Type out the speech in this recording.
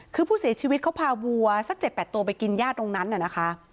คือผู้เสียชีวิตเขาพาวัวสัก๗๘ตัวไปกินย่าตรงนั้นน่ะนะคะ